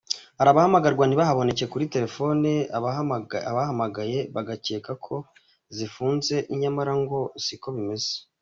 Hari abahamagarwa ntibababoneke kuri telefone, ababahamagaye bagakeka ko zifunze nyamara ngo siko bimeze.